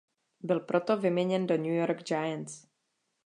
Byl proto vyměněn do New York Giants.